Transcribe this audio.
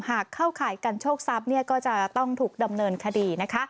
เข้าข่ายกันโชคทรัพย์ก็จะต้องถูกดำเนินคดีนะคะ